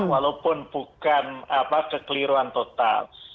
walaupun bukan kekeliruan total